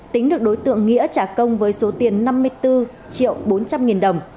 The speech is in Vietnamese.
tính được đối tượng nghĩa trả công với số tiền năm mươi bốn triệu bốn trăm linh nghìn đồng